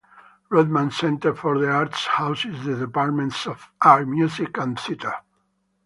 Rodman Center for the Arts houses the Departments of Art, Music, and Theater.